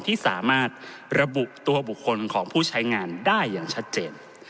ที่สามารถระบุตัวบุคคลของผู้ใช้งานได้อย่างชัดเจน